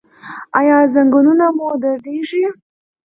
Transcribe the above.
ایا زنګونونه مو دردیږي؟